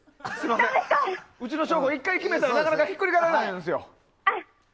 うちの省吾は１回決めたらなかなかひっくり返らないんです。